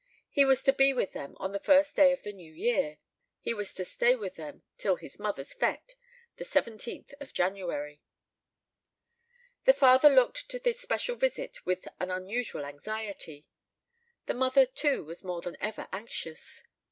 He was to be with them on the first day of the new year. He was to stay with them till his Mother's fête the 17th of January. The father looked to this special visit with an unusual anxiety. The mother too was more than ever anxious.